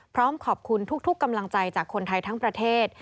พร้อมขอบคุณทุกกำลังใจจากคนไทยทั้งประเทศ